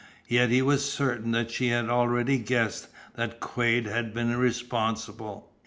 Yet he was certain that she had already guessed that Quade had been responsible.